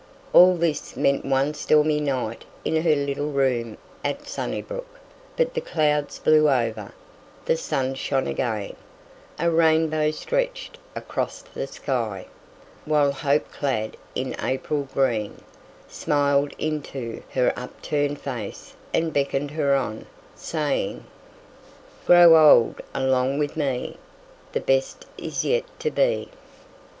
All this meant one stormy night in her little room at Sunnybrook, but the clouds blew over, the sun shone again, a rainbow stretched across the sky, while "hope clad in April green" smiled into her upturned face and beckoned her on, saying: "Grow old along with me, The best is yet to be."